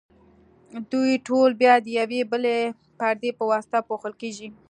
دوی ټول بیا د یوې بلې پردې په واسطه پوښل کیږي.